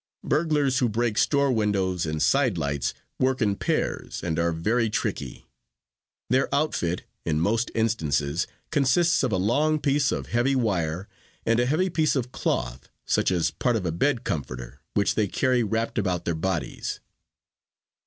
Burglars who break store windows and side lights work in pairs and are very tricky. Their outfit in most instances consists of a long piece of heavy wire and a heavy piece of cloth, such as part of a bed comforter, which they carry wrapped about their bodies.